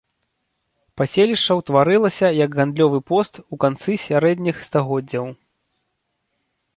Паселішча ўтварылася як гандлёвы пост у канцы сярэдніх стагоддзяў.